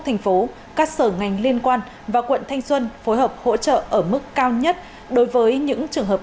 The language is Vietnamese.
thành phố các sở ngành liên quan và quận thanh xuân phối hợp hỗ trợ ở mức cao nhất đối với những trường hợp